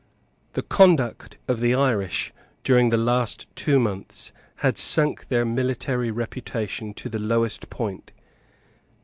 The conduct of the Irish during the last two months had sunk their military reputation to the lowest point.